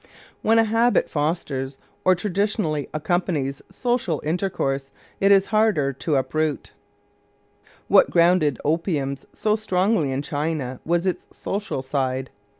When a habit fosters or traditionally accompanies social intercourse, it is all the harder to uproot. What grounded opium so strongly in China was its social side.